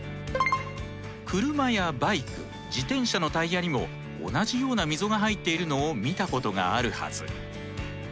車やバイク自転車のタイヤにも同じような溝が入っているのを見たことがあるはず。